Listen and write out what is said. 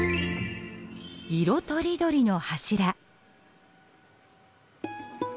色とりどりの柱。